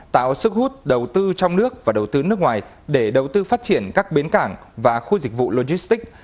tạo sức hút đầu tư trong nước và đầu tư nước ngoài để đầu tư phát triển các bến cảng và khu dịch vụ logistics